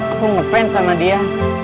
aku ngefans sama dia